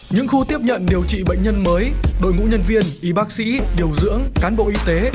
những khu tiếp nhận điều trị bệnh nhân mới đội ngũ nhân viên y bác sĩ điều dưỡng cán bộ y tế